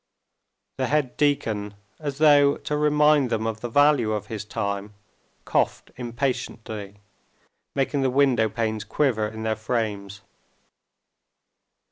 The head deacon, as though to remind them of the value of his time, coughed impatiently, making the window panes quiver in their frames.